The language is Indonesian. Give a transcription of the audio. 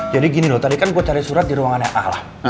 jadi gini loh tadi kan gue cari surat di ruangan a lah